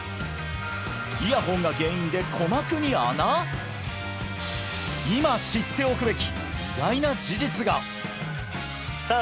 イヤホンが原因で今知っておくべき意外な事実がさあ